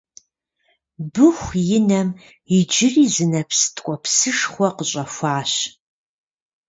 Быху и нэм иджыри зы нэпс ткӀуэпсышхуэ къыщӀэхуащ